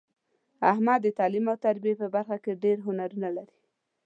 احمد د تعلیم او تربیې په برخه کې ډېر هنرونه لري.